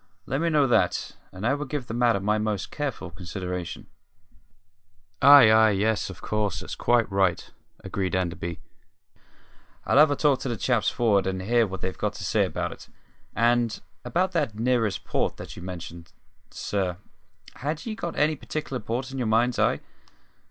Let me know that, and I will give the matter my most careful consideration." "Ay, ay, yes, of course; that's quite right," agreed Enderby. "I'll have a talk to the chaps for'ard, and hear what they've got to say about it. And about that `nearest port' that you mentioned, sir, had ye got any particular port in your mind's eye?"